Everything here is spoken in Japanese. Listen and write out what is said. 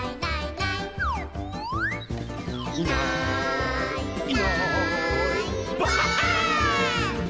「いないいないばあっ！」